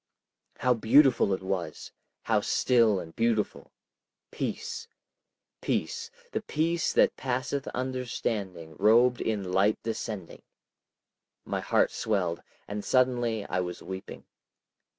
How beautiful it was! how still and beautiful! Peace! peace!—the peace that passeth understanding, robed in light descending! ... My heart swelled, and suddenly I was weeping.